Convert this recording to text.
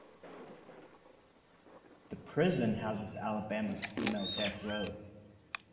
The prison houses Alabama's female death row.